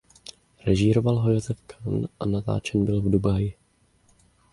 Režíroval ho Joseph Kahn a natáčen byl v Dubaji.